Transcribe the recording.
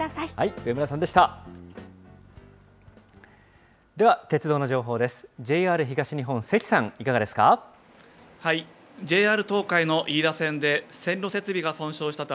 上村さんでした。